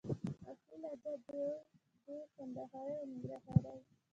اصلي لهجې دوې دي: کندهارۍ او ننګرهارۍ